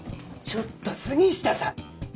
ちょっと、杉下さん！